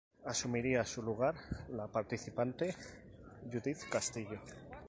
Asumiría su lugar la participante Judith Castillo.